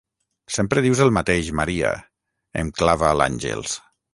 Sempre dius el mateix, Maria –em clava l'Àngels.